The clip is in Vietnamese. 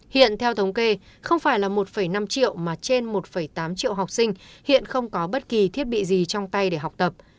hiện theo thống kê không phải là một năm triệu mà trên một tám triệu học sinh hiện không có bất kỳ thiết bị gì trong tay để học tập